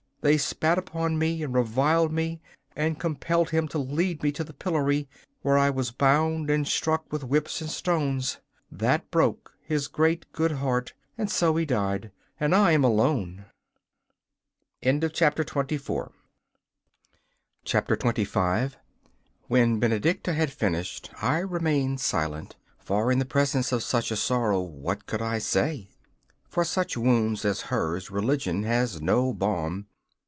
They spat upon me and reviled me, and compelled him to lead me to the pillory, where I was bound and struck with whips and stones. That broke his great, good heart, and so he died, and I am alone.' 25 When Benedicta had finished I remained silent, for in the presence of such a sorrow what could I say? For such wounds as hers religion has no balm.